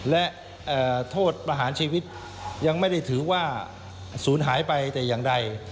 และโทษประหารชีวิตยังไม่ได้ถือว่าศูนย์หายไปแต่อย่างใด